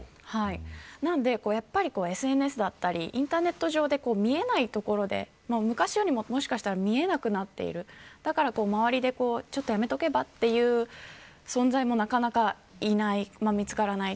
なのでやっぱりＳＮＳだったりインターネット上で見えないところで昔よりももしかしたら見えなくなっているだから周りでちょっとやめとけば、という存在もなかなかいない見つからない。